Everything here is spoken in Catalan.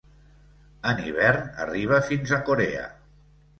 En hivern arriba fins a Corea.